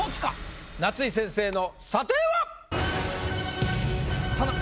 夏井先生の査定は⁉頼む。